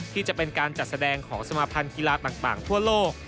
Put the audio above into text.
ที่จะเป็นการจัดแสดงของสมาภัณฑ์กีฬาต่างทั่วโลก